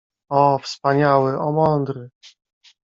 — O, wspaniały, o, mądry!